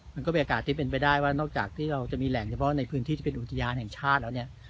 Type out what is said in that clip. มันก็มีโอกาสที่เป็นไปได้ว่านอกจากที่เราจะมีแหล่งเฉพาะในพื้นที่ที่เป็นอุทยานแห่งชาติแล้วเนี่ย